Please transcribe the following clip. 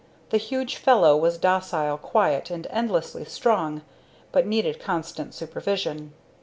The huge fellow was docile, quiet, and endlessly strong, but needed constant supervision.